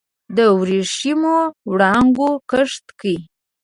د وریښمېو وړانګو کښت کې